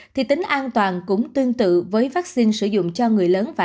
thì tính an toàn cũng tương tự với vắc xin sử dụng